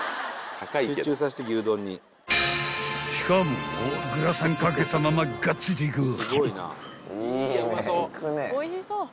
［しかもグラサン掛けたままがっついていかあ］